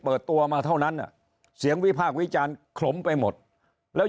เปิดตัวมาเท่านั้นเสียงวิพากษ์วิจารณ์ขลมไปหมดแล้ว